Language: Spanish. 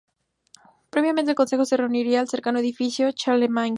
Previamente el Consejo se reunía en el cercano Edificio "Charlemagne".